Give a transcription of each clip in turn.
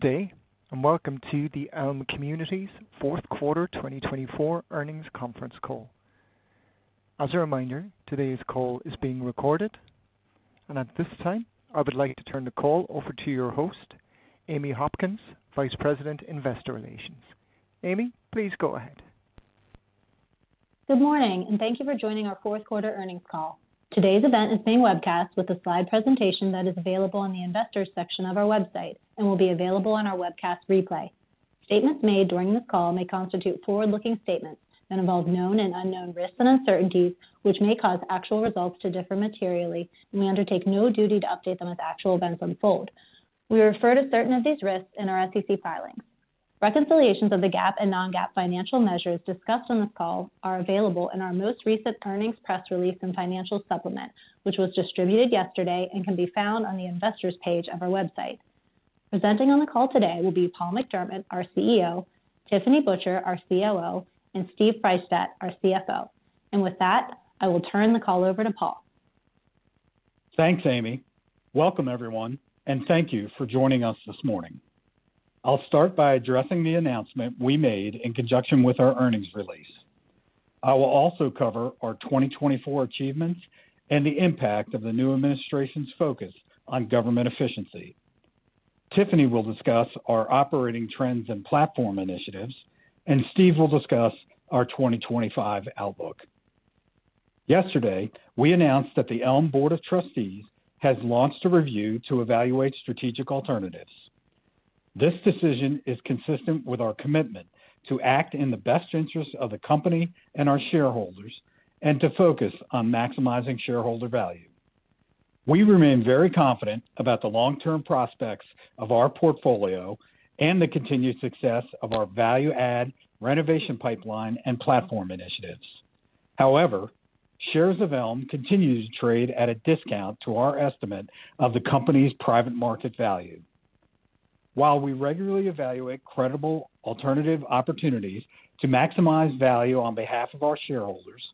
Good day, and welcome to the Elme Communities fourth quarter 2024 earnings conference call. As a reminder, today's call is being recorded, and at this time, I would like to turn the call over to your host, Amy Hopkins, Vice President, Investor Relations. Amy, please go ahead. Good morning, and thank you for joining our fourth quarter earnings call. Today's event is being webcast with a slide presentation that is available on the investors' section of our website and will be available on our webcast replay. Statements made during this call may constitute forward-looking statements and involve known and unknown risks and uncertainties, which may cause actual results to differ materially, and we undertake no duty to update them as actual events unfold. We refer to certain of these risks in our SEC filings. Reconciliations of the GAAP and non-GAAP financial measures discussed on this call are available in our most recent earnings press release and financial supplement, which was distributed yesterday and can be found on the investors' page of our website. Presenting on the call today will be Paul McDermott, our CEO, Tiffany Butcher, our COO, and Steve Freishtat, our CFO. With that, I will turn the call over to Paul. Thanks, Amy. Welcome, everyone, and thank you for joining us this morning. I'll start by addressing the announcement we made in conjunction with our earnings release. I will also cover our 2024 achievements and the impact of the new administration's focus on government efficiency. Tiffany will discuss our operating trends and platform initiatives, and Steve will discuss our 2025 outlook. Yesterday, we announced that the Elme Board of Trustees has launched a review to evaluate strategic alternatives. This decision is consistent with our commitment to act in the best interest of the company and our shareholders and to focus on maximizing shareholder value. We remain very confident about the long-term prospects of our portfolio and the continued success of our value-add, renovation pipeline, and platform initiatives. However, shares of Elme continue to trade at a discount to our estimate of the company's private market value. While we regularly evaluate credible alternative opportunities to maximize value on behalf of our shareholders,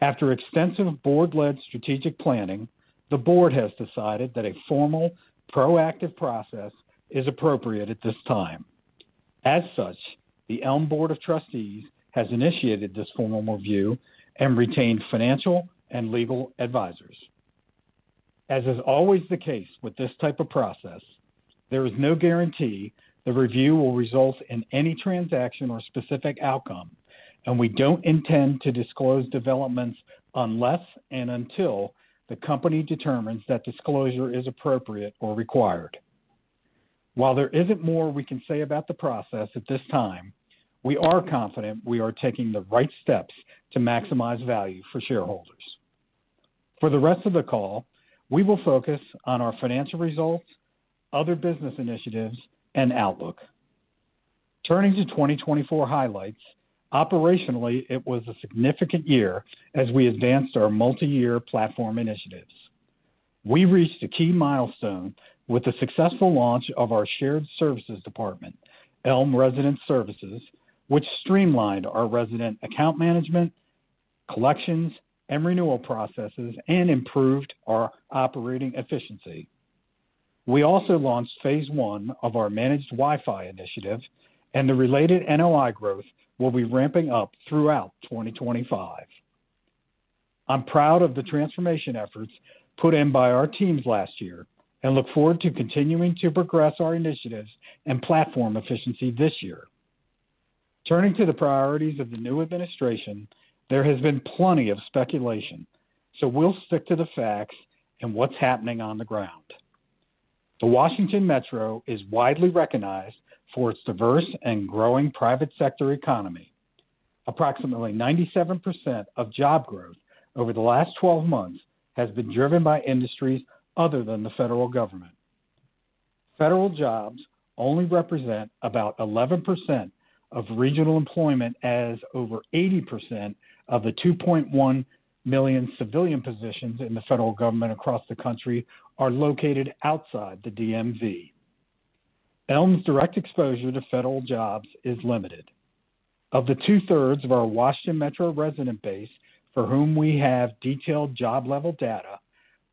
after extensive board-led strategic planning, the board has decided that a formal, proactive process is appropriate at this time. As such, the Elme Board of Trustees has initiated this formal review and retained financial and legal advisors. As is always the case with this type of process, there is no guarantee the review will result in any transaction or specific outcome, and we don't intend to disclose developments unless and until the company determines that disclosure is appropriate or required. While there isn't more we can say about the process at this time, we are confident we are taking the right steps to maximize value for shareholders. For the rest of the call, we will focus on our financial results, other business initiatives, and outlook. Turning to 2024 highlights, operationally, it was a significant year as we advanced our multi-year platform initiatives. We reached a key milestone with the successful launch of our shared services department, Elme Resident Services, which streamlined our resident account management, collections, and renewal processes, and improved our operating efficiency. We also launched phase one of our managed Wi-Fi initiative, and the related NOI growth will be ramping up throughout 2025. I'm proud of the transformation efforts put in by our teams last year and look forward to continuing to progress our initiatives and platform efficiency this year. Turning to the priorities of the new administration, there has been plenty of speculation, so we'll stick to the facts and what's happening on the ground. The Washington Metro is widely recognized for its diverse and growing private sector economy. Approximately 97% of job growth over the last 12 months has been driven by industries other than the federal government. Federal jobs only represent about 11% of regional employment, as over 80% of the 2.1 million civilian positions in the federal government across the country are located outside the DMV. Elme's direct exposure to federal jobs is limited. Of the two-thirds of our Washington Metro resident base, for whom we have detailed job-level data,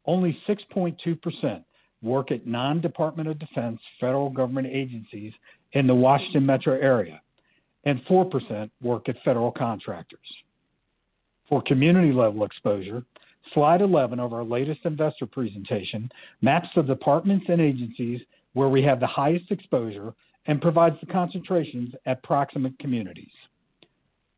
only 6.2% work at non-Department of Defense federal government agencies in the Washington Metro area, and 4% work at federal contractors. For community-level exposure, Slide 11 of our latest investor presentation maps the departments and agencies where we have the highest exposure and provides the concentrations at proximate communities.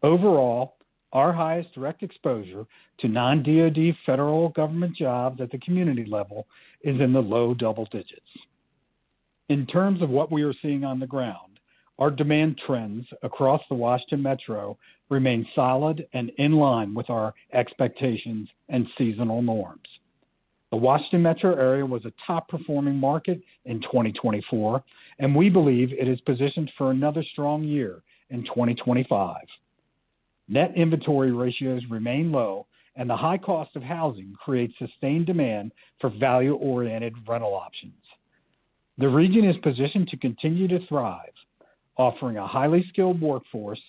Overall, our highest direct exposure to non-DOD federal government jobs at the community level is in the low double digits. In terms of what we are seeing on the ground, our demand trends across the Washington Metro remain solid and in line with our expectations and seasonal norms. The Washington Metro area was a top-performing market in 2024, and we believe it is positioned for another strong year in 2025. Net inventory ratios remain low, and the high cost of housing creates sustained demand for value-oriented rental options. The region is positioned to continue to thrive, offering a highly skilled workforce,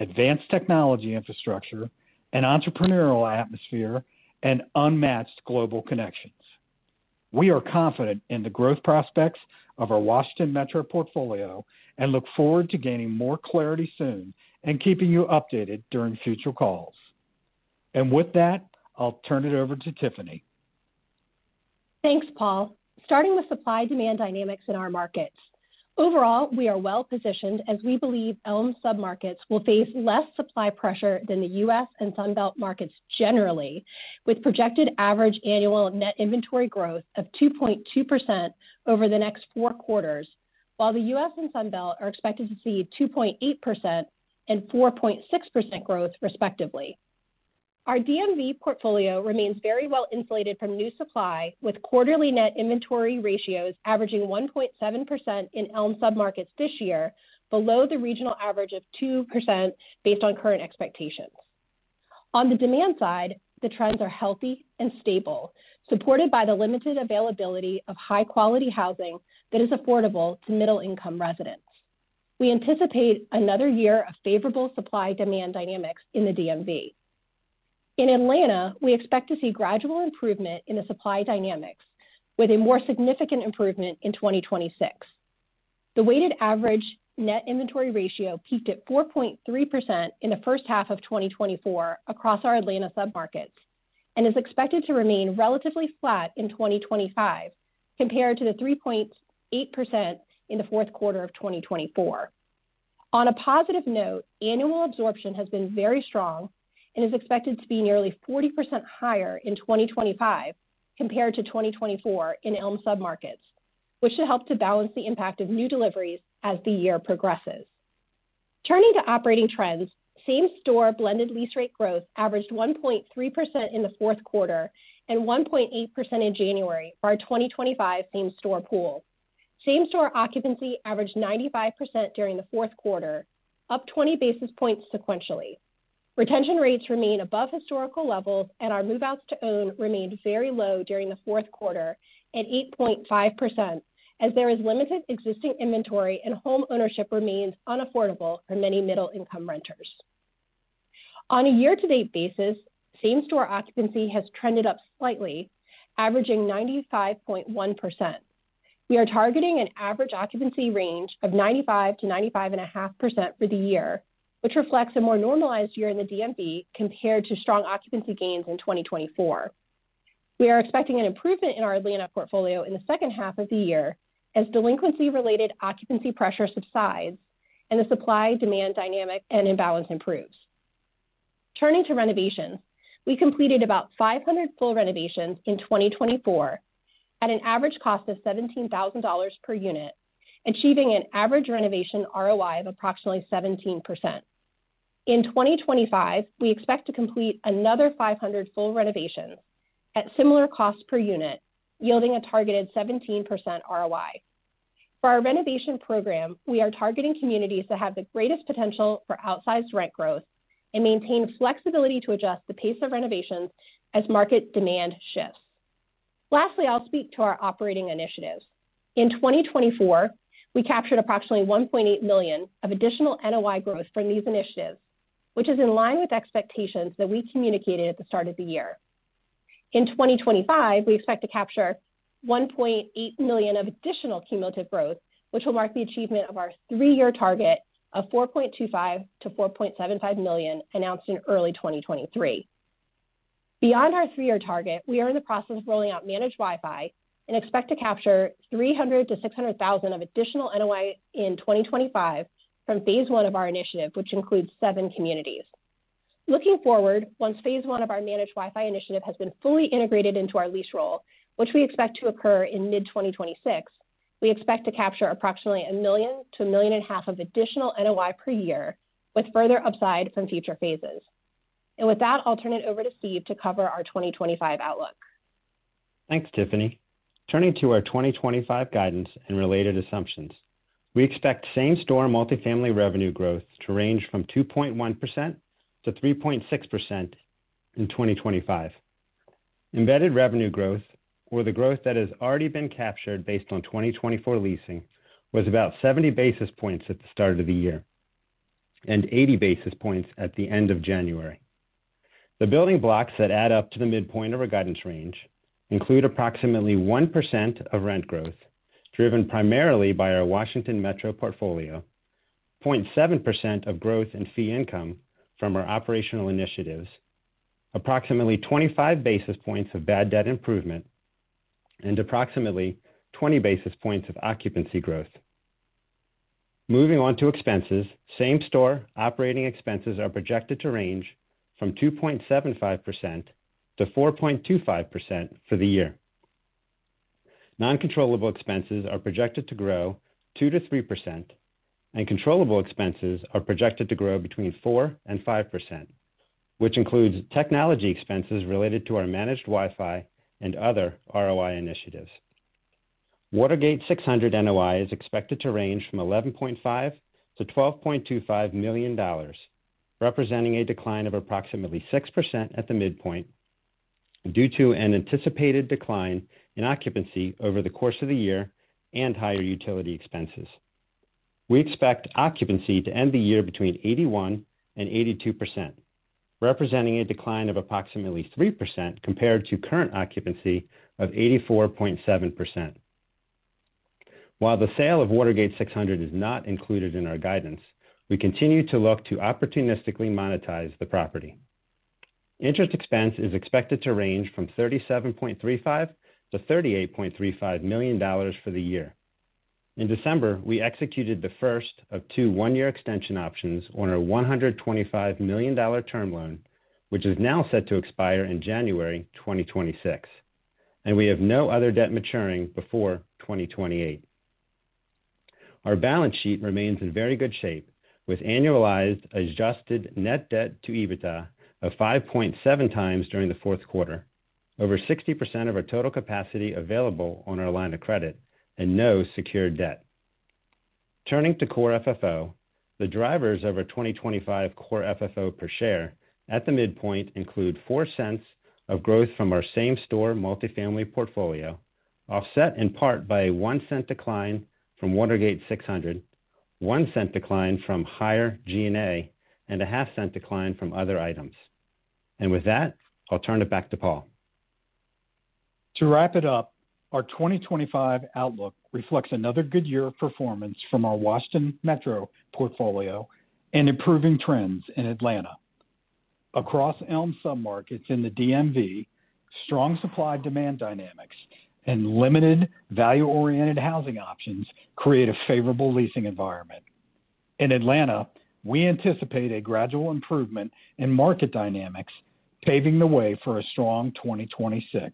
advanced technology infrastructure, an entrepreneurial atmosphere, and unmatched global connections. We are confident in the growth prospects of our Washington Metro portfolio and look forward to gaining more clarity soon and keeping you updated during future calls, and with that, I'll turn it over to Tiffany. Thanks, Paul. Starting with supply-demand dynamics in our markets. Overall, we are well positioned as we believe Elme submarkets will face less supply pressure than the U.S. and Sunbelt markets generally, with projected average annual net inventory growth of 2.2% over the next four quarters, while the U.S. and Sunbelt are expected to see 2.8% and 4.6% growth, respectively. Our DMV portfolio remains very well insulated from new supply, with quarterly net inventory ratios averaging 1.7% in Elme submarkets this year, below the regional average of 2% based on current expectations. On the demand side, the trends are healthy and stable, supported by the limited availability of high-quality housing that is affordable to middle-income residents. We anticipate another year of favorable supply-demand dynamics in the DMV. In Atlanta, we expect to see gradual improvement in the supply dynamics, with a more significant improvement in 2026. The weighted average net inventory ratio peaked at 4.3% in the first half of 2024 across our Atlanta submarkets and is expected to remain relatively flat in 2025 compared to the 3.8% in the fourth quarter of 2024. On a positive note, annual absorption has been very strong and is expected to be nearly 40% higher in 2025 compared to 2024 in Elme submarkets, which should help to balance the impact of new deliveries as the year progresses. Turning to operating trends, same-store blended lease rate growth averaged 1.3% in the fourth quarter and 1.8% in January for our 2025 same-store pool. Same-store occupancy averaged 95% during the fourth quarter, up 20 basis points sequentially. Retention rates remain above historical levels, and our move-outs to own remained very low during the fourth quarter at 8.5%, as there is limited existing inventory and homeownership remains unaffordable for many middle-income renters. On a year-to-date basis, same-store occupancy has trended up slightly, averaging 95.1%. We are targeting an average occupancy range of 95%-95.5% for the year, which reflects a more normalized year in the DMV compared to strong occupancy gains in 2024. We are expecting an improvement in our Atlanta portfolio in the second half of the year as delinquency-related occupancy pressure subsides and the supply-demand dynamic and imbalance improves. Turning to renovations, we completed about 500 full renovations in 2024 at an average cost of $17,000 per unit, achieving an average renovation ROI of approximately 17%. In 2025, we expect to complete another 500 full renovations at similar cost per unit, yielding a targeted 17% ROI. For our renovation program, we are targeting communities that have the greatest potential for outsized rent growth and maintain flexibility to adjust the pace of renovations as market demand shifts. Lastly, I'll speak to our operating initiatives. In 2024, we captured approximately $1.8 million of additional NOI growth from these initiatives, which is in line with expectations that we communicated at the start of the year. In 2025, we expect to capture $1.8 million of additional cumulative growth, which will mark the achievement of our three-year target of $4.25 million-$4.75 million announced in early 2023. Beyond our three-year target, we are in the process of rolling out managed Wi-Fi and expect to capture $300,000-$600,000 of additional NOI in 2025 from phase one of our initiative, which includes seven communities. Looking forward, once phase one of our managed Wi-Fi initiative has been fully integrated into our lease roll, which we expect to occur in mid-2026, we expect to capture approximately $1 million-$1.5 million of additional NOI per year, with further upside from future phases, and with that, I'll turn it over to Steve to cover our 2025 outlook. Thanks, Tiffany. Turning to our 2025 guidance and related assumptions, we expect same-store multifamily revenue growth to range from 2.1%-3.6% in 2025. Embedded revenue growth, or the growth that has already been captured based on 2024 leasing, was about 70 basis points at the start of the year and 80 basis points at the end of January. The building blocks that add up to the midpoint of our guidance range include approximately 1% of rent growth, driven primarily by our Washington Metro portfolio, 0.7% of growth in fee income from our operational initiatives, approximately 25 basis points of bad debt improvement, and approximately 20 basis points of occupancy growth. Moving on to expenses, same-store operating expenses are projected to range from 2.75%-4.25% for the year. Non-controllable expenses are projected to grow 2%-3%, and controllable expenses are projected to grow between 4% and 5%, which includes technology expenses related to our managed Wi-Fi and other ROI initiatives. Watergate 600 NOI is expected to range from $11.5 million-$12.25 million, representing a decline of approximately 6% at the midpoint due to an anticipated decline in occupancy over the course of the year and higher utility expenses. We expect occupancy to end the year between 81% and 82%, representing a decline of approximately 3% compared to current occupancy of 84.7%. While the sale of Watergate 600 is not included in our guidance, we continue to look to opportunistically monetize the property. Interest expense is expected to range from $37.35 million-$38.35 million for the year. In December, we executed the first of two one-year extension options on our $125 million term loan, which is now set to expire in January 2026, and we have no other debt maturing before 2028. Our balance sheet remains in very good shape, with annualized adjusted net debt to EBITDA of 5.7 times during the fourth quarter, over 60% of our total capacity available on our line of credit, and no secured debt. Turning to Core FFO, the drivers of our 2025 Core FFO per share at the midpoint include $0.04 of growth from our same-store multifamily portfolio, offset in part by a $0.01 decline from Watergate 600, $0.01 decline from higher G&A, and a $0.005 decline from other items. And with that, I'll turn it back to Paul. To wrap it up, our 2025 outlook reflects another good year of performance from our Washington Metro portfolio and improving trends in Atlanta. Across Elme submarkets in the DMV, strong supply-demand dynamics and limited value-oriented housing options create a favorable leasing environment. In Atlanta, we anticipate a gradual improvement in market dynamics, paving the way for a strong 2026.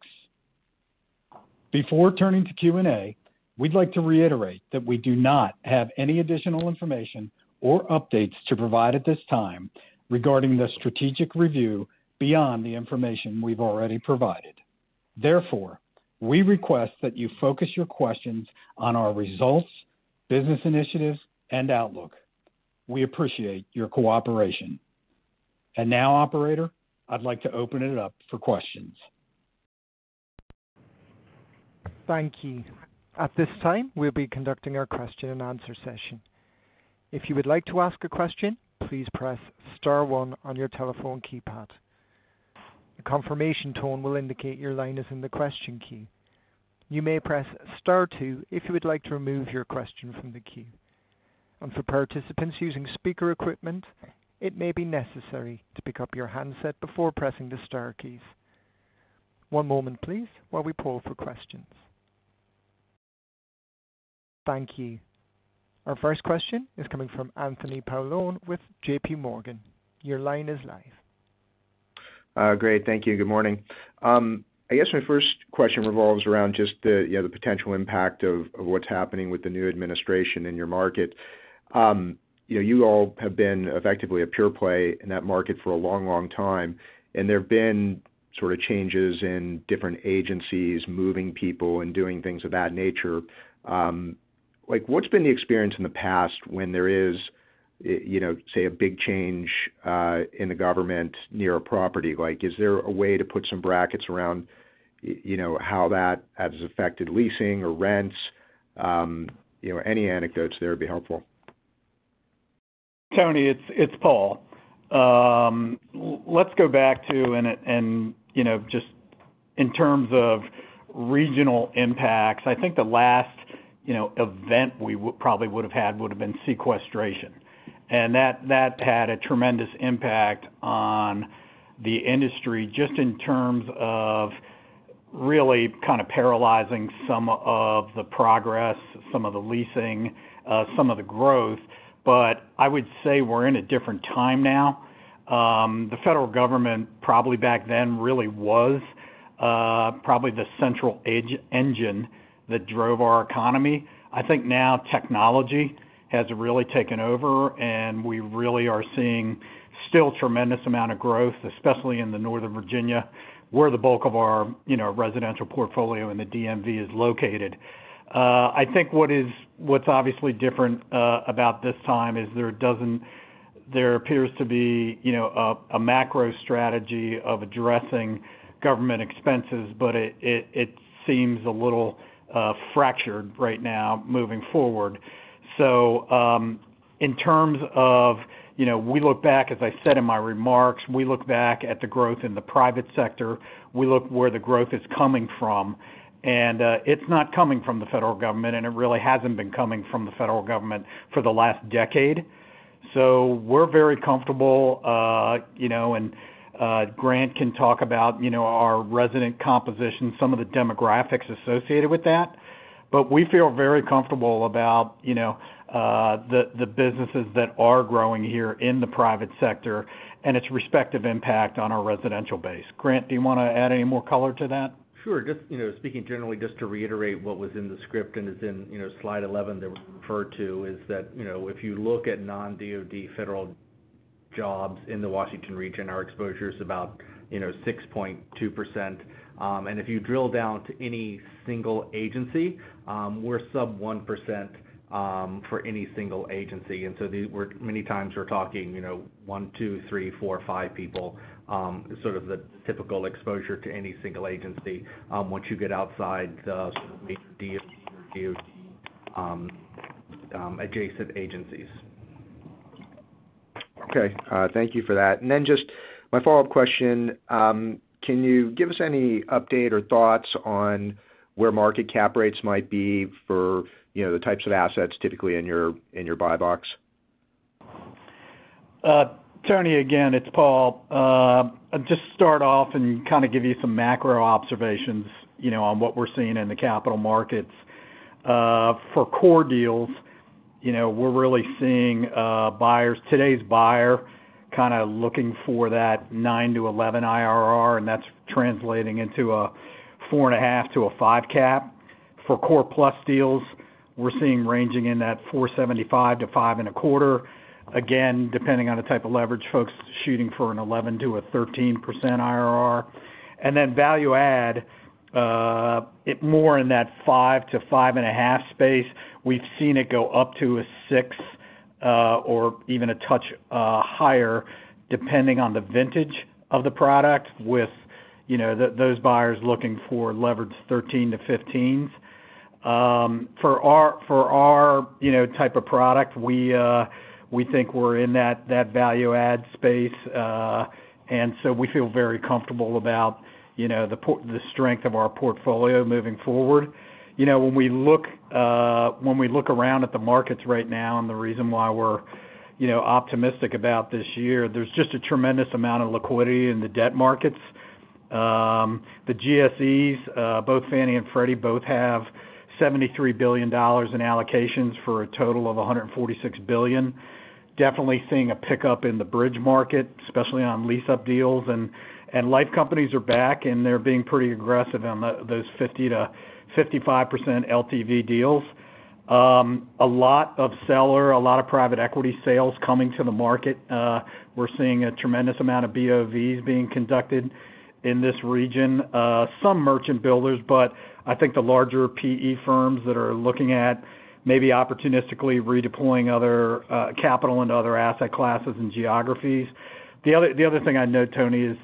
Before turning to Q&A, we'd like to reiterate that we do not have any additional information or updates to provide at this time regarding the strategic review beyond the information we've already provided. Therefore, we request that you focus your questions on our results, business initiatives, and outlook. We appreciate your cooperation and now, Operator, I'd like to open it up for questions. Thank you. At this time, we'll be conducting our question-and-answer session. If you would like to ask a question, please press star one on your telephone keypad. The confirmation tone will indicate your line is in the question queue. You may press star two if you would like to remove your question from the queue. And for participants using speaker equipment, it may be necessary to pick up your handset before pressing the star keys. One moment, please, while we pull for questions. Thank you. Our first question is coming from Anthony Paolone with JPMorgan. Your line is live. Great. Thank you. Good morning. I guess my first question revolves around just the potential impact of what's happening with the new administration in your market. You all have been effectively a pure play in that market for a long, long time, and there have been sort of changes in different agencies moving people and doing things of that nature. What's been the experience in the past when there is, say, a big change in the government near a property? Is there a way to put some brackets around how that has affected leasing or rents? Any anecdotes there would be helpful. Tony, it's Paul. Let's go back to, and just in terms of regional impacts, I think the last event we probably would have had would have been sequestration. And that had a tremendous impact on the industry just in terms of really kind of paralyzing some of the progress, some of the leasing, some of the growth. But I would say we're in a different time now. The federal government, probably back then, really was probably the central engine that drove our economy. I think now technology has really taken over, and we really are seeing still a tremendous amount of growth, especially in Northern Virginia, where the bulk of our residential portfolio and the DMV is located. I think what's obviously different about this time is there appears to be a macro strategy of addressing government expenses, but it seems a little fractured right now moving forward. So in terms of we look back, as I said in my remarks, we look back at the growth in the private sector. We look where the growth is coming from. And it's not coming from the federal government, and it really hasn't been coming from the federal government for the last decade. So we're very comfortable, and Grant can talk about our resident composition, some of the demographics associated with that. But we feel very comfortable about the businesses that are growing here in the private sector and its respective impact on our residential base. Grant, do you want to add any more color to that? Sure. Just speaking generally, just to reiterate what was in the script and is in Slide 11 that we referred to, is that if you look at non-DOD federal jobs in the Washington region, our exposure is about 6.2%. And if you drill down to any single agency, we're sub 1% for any single agency. And so many times we're talking one, two, three, four, five people, sort of the typical exposure to any single agency once you get outside the major DOD or DOT adjacent agencies. Okay. Thank you for that. And then just my follow-up question, can you give us any update or thoughts on where market cap rates might be for the types of assets typically in your buy box? Tony, again, it's Paul. I'll just start off and kind of give you some macro observations on what we're seeing in the capital markets. For core deals, we're really seeing buyers, today's buyer, kind of looking for that 9-11 IRR, and that's translating into a 4.5-5 cap. For core plus deals, we're seeing ranging in that 4.75-5.25. Again, depending on the type of leverage, folks shooting for an 11%-13% IRR and then value-add, more in that 5-5.5 space. We've seen it go up to a 6 or even a touch higher, depending on the vintage of the product, with those buyers looking for leveraged 13-15s. For our type of product, we think we're in that value-add space, and so we feel very comfortable about the strength of our portfolio moving forward. When we look around at the markets right now and the reason why we're optimistic about this year, there's just a tremendous amount of liquidity in the debt markets. The GSEs, both Fannie and Freddie, both have $73 billion in allocations for a total of $146 billion. Definitely seeing a pickup in the bridge market, especially on lease-up deals, and life companies are back, and they're being pretty aggressive on those 50%-55% LTV deals. A lot of seller, a lot of private equity sales coming to the market. We're seeing a tremendous amount of BOVs being conducted in this region. Some merchant builders, but I think the larger PE firms that are looking at maybe opportunistically redeploying other capital into other asset classes and geographies. The other thing I note, Tony, is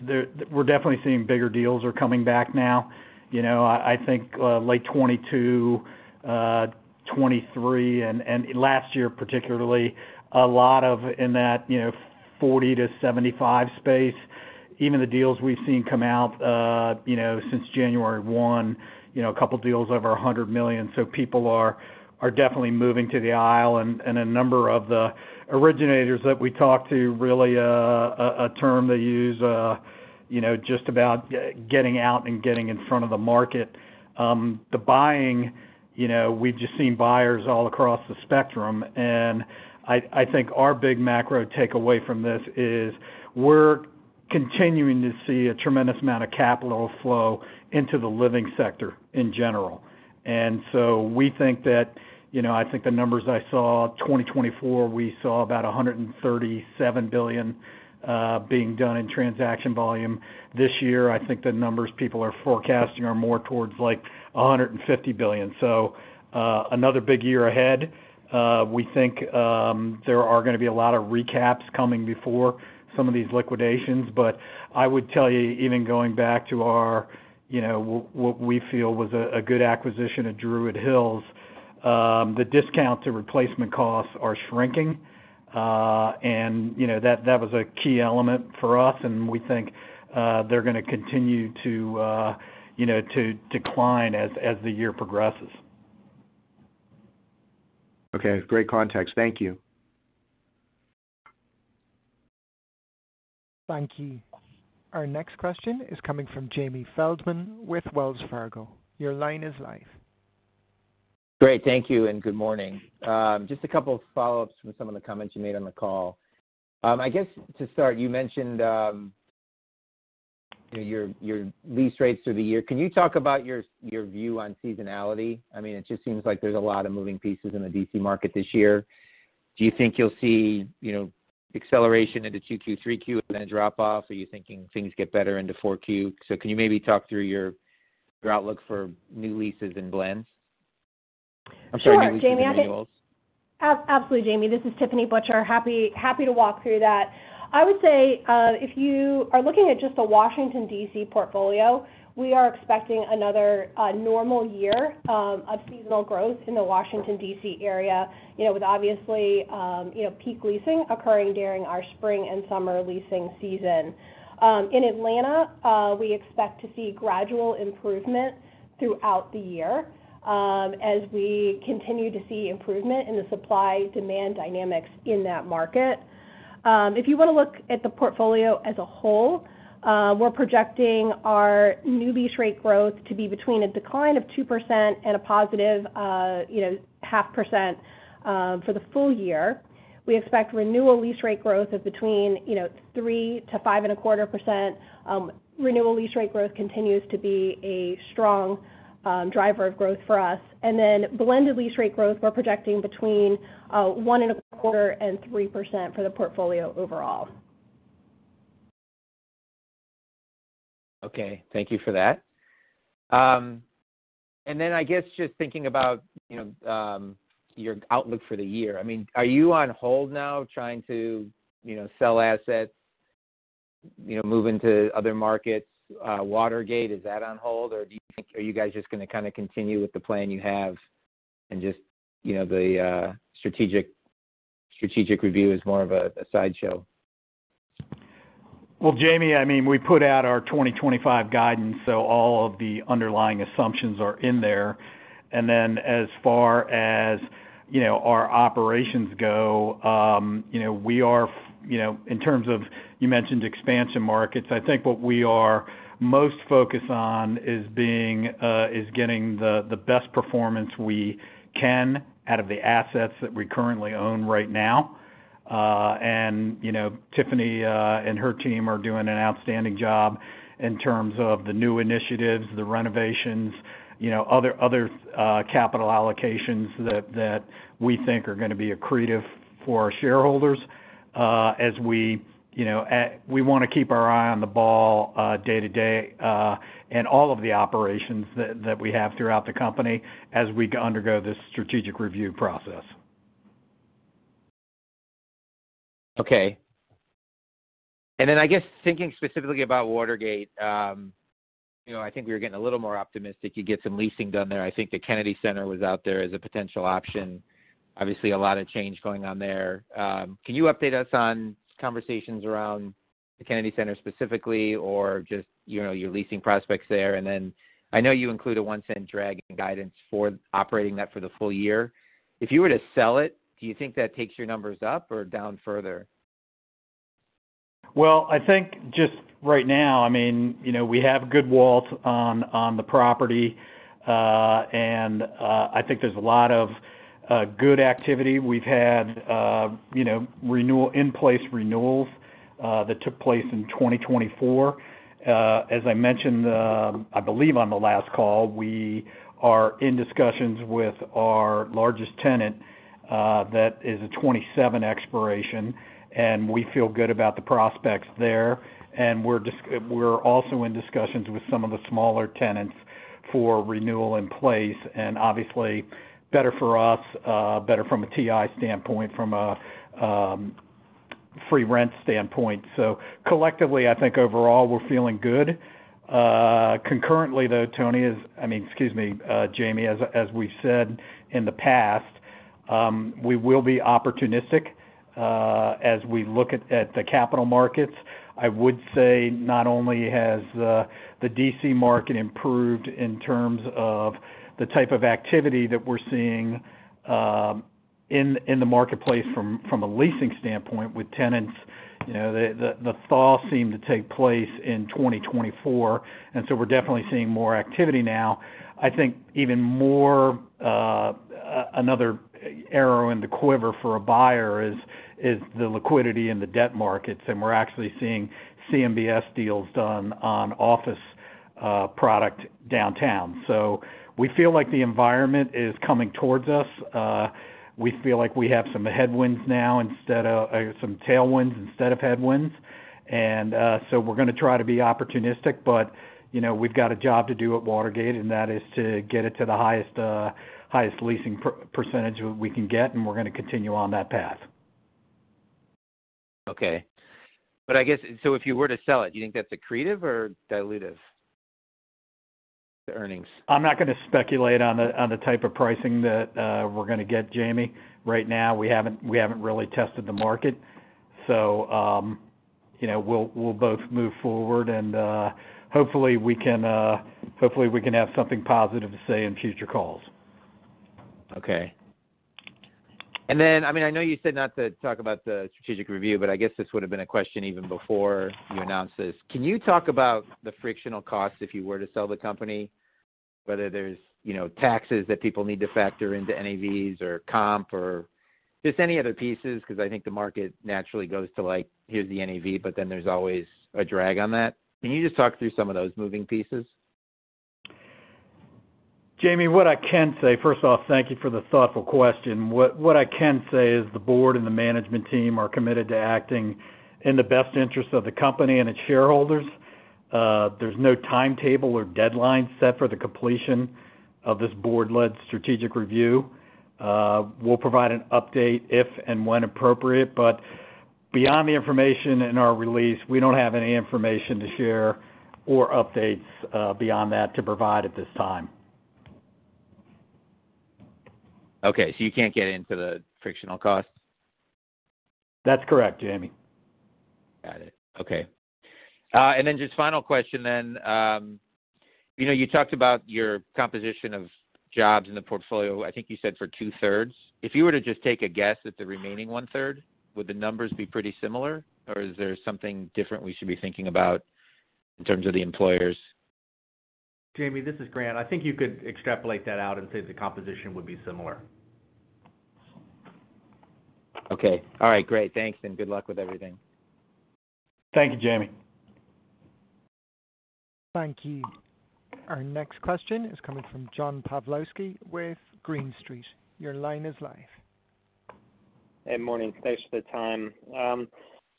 we're definitely seeing bigger deals are coming back now. I think late 2022, 2023, and last year particularly, a lot of in that $40-$75 space. Even the deals we've seen come out since January 1, a couple of deals over $100 million. So people are definitely moving to the aisle. And a number of the originators that we talked to, really a term they use, just about getting out and getting in front of the market. The buying, we've just seen buyers all across the spectrum. And I think our big macro takeaway from this is we're continuing to see a tremendous amount of capital flow into the living sector in general. And so we think that I think the numbers I saw, 2024, we saw about $137 billion being done in transaction volume. This year, I think the numbers people are forecasting are more towards like $150 billion. So another big year ahead. We think there are going to be a lot of recaps coming before some of these liquidations. But I would tell you, even going back to what we feel was a good acquisition at Druid Hills, the discount to replacement costs are shrinking, and that was a key element for us, and we think they're going to continue to decline as the year progresses. Okay. Great context. Thank you. Thank you. Our next question is coming from Jamie Feldman with Wells Fargo. Your line is live. Great. Thank you and good morning. Just a couple of follow-ups from some of the comments you made on the call. I guess to start, you mentioned your lease rates through the year. Can you talk about your view on seasonality? I mean, it just seems like there's a lot of moving pieces in the DC market this year. Do you think you'll see acceleration into 2Q, 3Q, and then a drop-off? Are you thinking things get better into 4Q? So can you maybe talk through your outlook for new leases and blends? I'm sorry, new leases and deals. Absolutely, Jamie. This is Tiffany Butcher. Happy to walk through that. I would say if you are looking at just the Washington, D.C. portfolio, we are expecting another normal year of seasonal growth in the Washington, D.C. area, with obviously peak leasing occurring during our spring and summer leasing season. In Atlanta, we expect to see gradual improvement throughout the year as we continue to see improvement in the supply-demand dynamics in that market. If you want to look at the portfolio as a whole, we're projecting our new lease rate growth to be between a decline of 2% and a positive 0.5% for the full year. We expect renewal lease rate growth of between 3%-5.25%. Renewal lease rate growth continues to be a strong driver of growth for us. And then blended lease rate growth, we're projecting between 1.25% and 3% for the portfolio overall. Okay. Thank you for that. And then I guess just thinking about your outlook for the year, I mean, are you on hold now trying to sell assets, move into other markets? Watergate, is that on hold? Or are you guys just going to kind of continue with the plan you have and just the strategic review is more of a sideshow? Jamie, I mean, we put out our 2025 guidance, so all of the underlying assumptions are in there. And then as far as our operations go, we are, in terms of you mentioned expansion markets, I think what we are most focused on is getting the best performance we can out of the assets that we currently own right now. And Tiffany and her team are doing an outstanding job in terms of the new initiatives, the renovations, other capital allocations that we think are going to be accretive for our shareholders as we want to keep our eye on the ball day to day and all of the operations that we have throughout the company as we undergo this strategic review process. Okay. And then I guess thinking specifically about Watergate, I think we were getting a little more optimistic. You get some leasing done there. I think the Kennedy Center was out there as a potential option. Obviously, a lot of change going on there. Can you update us on conversations around the Kennedy Center specifically or just your leasing prospects there? And then I know you include a $0.01 drag in guidance for operating that for the full year. If you were to sell it, do you think that takes your numbers up or down further? I think just right now, I mean, we have good walls on the property, and I think there's a lot of good activity. We've had in-place renewals that took place in 2024. As I mentioned, I believe on the last call, we are in discussions with our largest tenant that is a '27 expiration, and we feel good about the prospects there, and we're also in discussions with some of the smaller tenants for renewal in place, and obviously, better for us, better from a TI standpoint, from a free rent standpoint, so collectively, I think overall we're feeling good. Concurrently, though, Tony is, I mean, excuse me, Jamie, as we've said in the past, we will be opportunistic as we look at the capital markets. I would say not only has the D.C. market improved in terms of the type of activity that we're seeing in the marketplace from a leasing standpoint with tenants, the thaw seemed to take place in 2024. And so we're definitely seeing more activity now. I think even more another arrow in the quiver for a buyer is the liquidity in the debt markets. And we're actually seeing CMBS deals done on office product downtown. So we feel like the environment is coming towards us. We feel like we have some headwinds now instead of some tailwinds instead of headwinds. And so we're going to try to be opportunistic, but we've got a job to do at Watergate, and that is to get it to the highest leasing percentage we can get, and we're going to continue on that path. Okay. But I guess so if you were to sell it, do you think that's accretive or dilutive? The earnings. I'm not going to speculate on the type of pricing that we're going to get, Jamie. Right now, we haven't really tested the market. So we'll both move forward, and hopefully we can have something positive to say in future calls. Okay. And then, I mean, I know you said not to talk about the strategic review, but I guess this would have been a question even before you announced this. Can you talk about the frictional costs if you were to sell the company, whether there's taxes that people need to factor into NAVs or comp or just any other pieces? Because I think the market naturally goes to like, "Here's the NAV," but then there's always a drag on that. Can you just talk through some of those moving pieces? Jamie, what I can say, first off, thank you for the thoughtful question. What I can say is the board and the management team are committed to acting in the best interest of the company and its shareholders. There's no timetable or deadline set for the completion of this board-led strategic review. We'll provide an update if and when appropriate. But beyond the information in our release, we don't have any information to share or updates beyond that to provide at this time. Okay. So you can't get into the frictional costs? That's correct, Jamie. Got it. Okay. And then just final question then. You talked about your composition of jobs in the portfolio. I think you said for two-thirds. If you were to just take a guess at the remaining one-third, would the numbers be pretty similar? Or is there something different we should be thinking about in terms of the employers? Jamie, this is Grant. I think you could extrapolate that out and say the composition would be similar. Okay. All right. Great. Thanks. And good luck with everything. Thank you, Jamie. Thank you. Our next question is coming from John Pawlowski with Green Street. Your line is live. Hey, morning. Thanks for the time.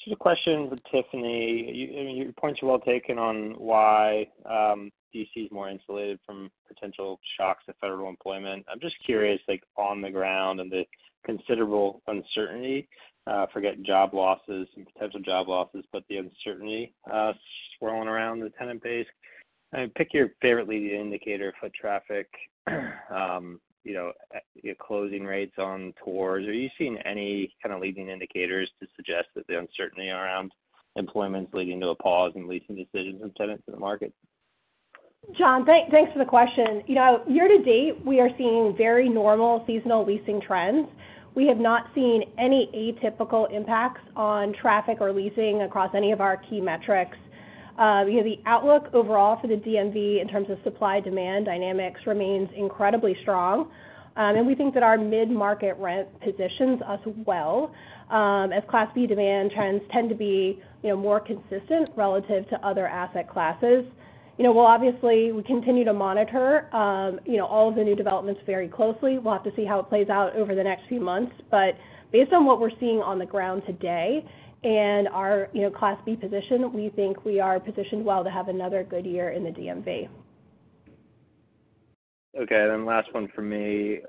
Just a question for Tiffany. Your points are well taken on why DC is more insulated from potential shocks to federal employment. I'm just curious, on the ground and the considerable uncertainty, forget job losses and potential job losses, but the uncertainty swirling around the tenant base. I mean, pick your favorite leading indicator for traffic, closing rates on tours. Are you seeing any kind of leading indicators to suggest that the uncertainty around employment's leading to a pause in leasing decisions and tenants in the market? John, thanks for the question. Year to date, we are seeing very normal seasonal leasing trends. We have not seen any atypical impacts on traffic or leasing across any of our key metrics. The outlook overall for the DMV in terms of supply-demand dynamics remains incredibly strong, and we think that our mid-market rent positions us well as Class B demand trends tend to be more consistent relative to other asset classes. Well, obviously, we continue to monitor all of the new developments very closely. We'll have to see how it plays out over the next few months, but based on what we're seeing on the ground today and our Class B position, we think we are positioned well to have another good year in the DMV. Okay. And then last one for me.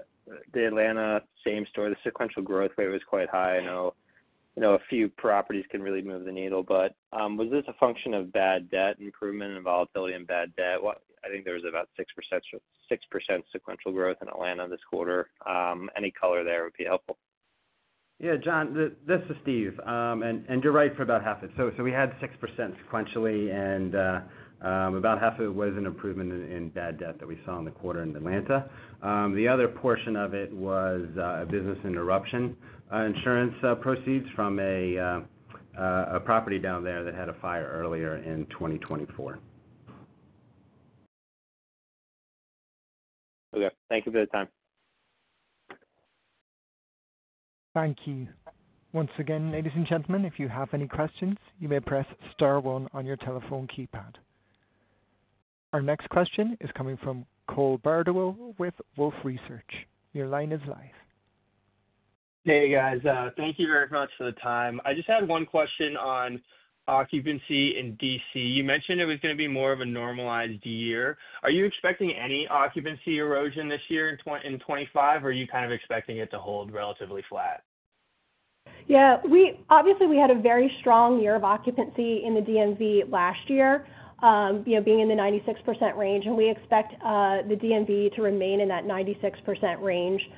The Atlanta, same story. The sequential growth rate was quite high. I know a few properties can really move the needle, but was this a function of bad debt improvement and volatility and bad debt? I think there was about 6% sequential growth in Atlanta this quarter. Any color there would be helpful. Yeah, John, this is Steve, and you're right for about half of it. So we had 6% sequentially, and about half of it was an improvement in bad debt that we saw in the quarter in Atlanta. The other portion of it was business interruption insurance proceeds from a property down there that had a fire earlier in 2024. Okay. Thank you for the time. Thank you. Once again, ladies and gentlemen, if you have any questions, you may press star one on your telephone keypad. Our next question is coming from Cole Bardawill with Wolfe Research. Your line is live. Hey, guys. Thank you very much for the time. I just had one question on occupancy in D.C. You mentioned it was going to be more of a normalized year. Are you expecting any occupancy erosion this year in 2025, or are you kind of expecting it to hold relatively flat? Yeah. Obviously, we had a very strong year of occupancy in the DMV last year, being in the 96% range. And we expect the DMV to remain in that 96% range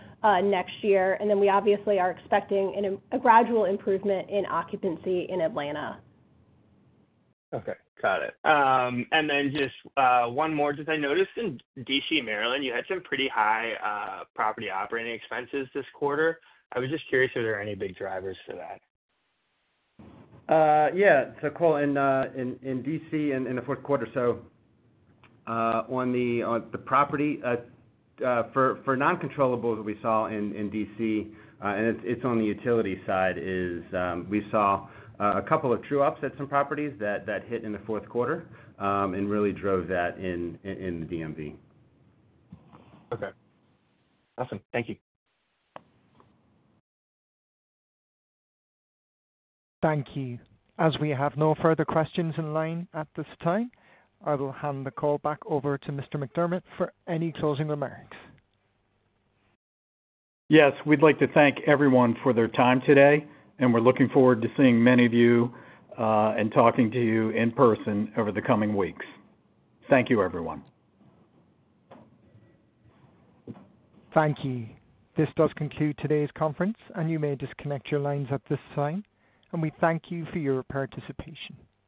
next year. And then we obviously are expecting a gradual improvement in occupancy in Atlanta. Okay. Got it. And then just one more. Did I notice in DC, Maryland, you had some pretty high property operating expenses this quarter? I was just curious if there are any big drivers for that. Yeah. So Cole, in DC in the fourth quarter, so on the property, for non-controllables that we saw in DC, and it's on the utility side, we saw a couple of true-ups at some properties that hit in the fourth quarter and really drove that in the DMV. Okay. Awesome. Thank you. Thank you. As we have no further questions in line at this time, I will hand the call back over to Mr. McDermott for any closing remarks. Yes. We'd like to thank everyone for their time today. And we're looking forward to seeing many of you and talking to you in person over the coming weeks. Thank you, everyone. Thank you. This does conclude today's conference, and you may disconnect your lines at this time. And we thank you for your participation.